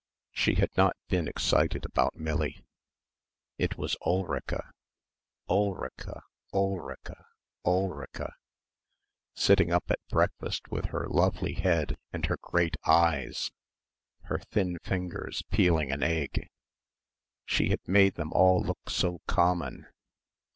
She had not been excited about Millie. It was Ulrica, Ulrica ... Ulrica ... Ulrica ... sitting up at breakfast with her lovely head and her great eyes her thin fingers peeling an egg.... She had made them all look so "common."